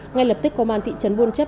ngay lập tức công an thị trấn buôn chấp